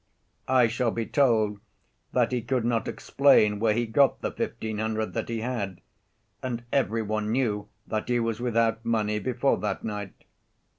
"I shall be told that he could not explain where he got the fifteen hundred that he had, and every one knew that he was without money before that night.